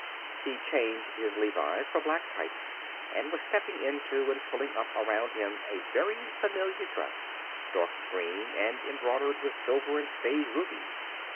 He'd changed his levis for black tights, and was stepping into and pulling up around him a very familiar dress, dark green and embroidered with silver and stage rubies.